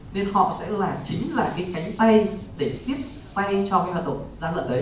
nên họ sẽ là chính là cái cánh tay để tiếp tay cho cái hoạt động gian lận đấy